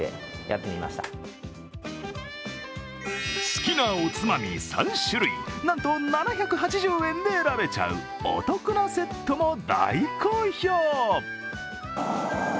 好きなおつまみ３種類、なんと７８０円で選べちゃうお得なセットも大好評。